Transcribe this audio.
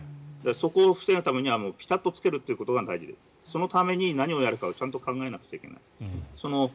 そこを防ぐためにはピタッと着けることが大事でそのために何をやるかをちゃんと考えないといけない。